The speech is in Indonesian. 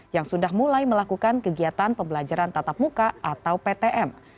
yang sudah mulai melakukan kegiatan pembelajaran tatap muka atau ptm